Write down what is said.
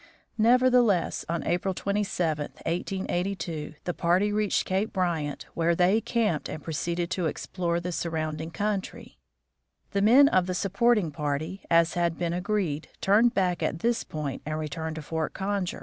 Nevertheless, on April 27, 1882, the party reached Cape Bryant, where they camped and proceeded to explore the surrounding country. The men of the supporting party, as had been agreed, turned back at this point and returned to Fort Conger.